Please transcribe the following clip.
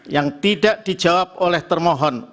yang tidak dijawab oleh menteri sosial tri risma harini